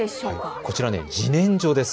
こちら、じねんじょです。